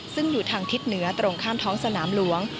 ซึ่งอยู่ทางทิศเหนือตรงข้ามท้องสนามหลวง